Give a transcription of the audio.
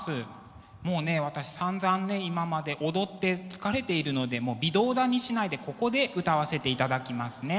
もうね私さんざん今まで踊って疲れているので微動だにしないでここで歌わせていただきますね。